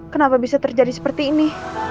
kenapa bisa terjadi seperti ini